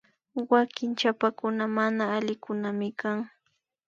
Wanki chapakuna mana alikunaminkan